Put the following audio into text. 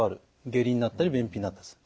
下痢になったり便秘になったりする。